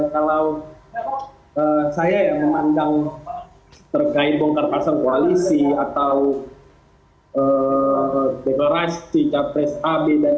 kalau saya yang memandang terkait bongkar pasar koalisi atau deklarasi capres ab dan